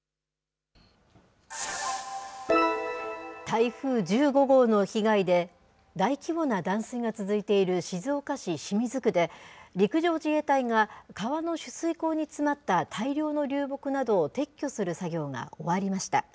台風１５号の被害で、大規模な断水が続いている静岡市清水区で、陸上自衛隊が川の取水口に詰まった大量の流木などを撤去する作業が終わりました。